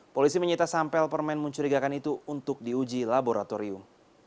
polisi menyita sampel permen mencurigakan itu untuk diuji laboratorium